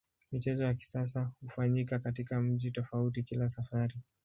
Michezo ya kisasa hufanyika katika mji tofauti kila safari.